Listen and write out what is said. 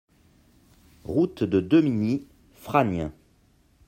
Route de Demigny, Fragnes